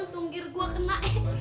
tunggir gue kena